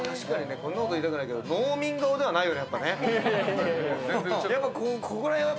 こんなこと言いたくないけど、農民顔ではないよね。